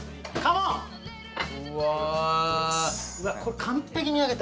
これ完璧に焼けた。